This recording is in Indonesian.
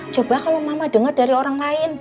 coba kalau mama dengar dari orang lain